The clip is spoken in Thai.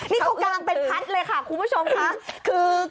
นี่เขากางเป็นพัดเลยค่ะคุณผู้ชมค่ะ